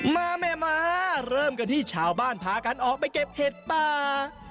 แม่ม้าเริ่มกันที่ชาวบ้านพากันออกไปเก็บเห็ดป่า